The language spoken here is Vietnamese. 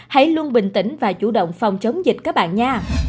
hãy luôn bình tĩnh và chủ động phòng chống dịch các bạn nha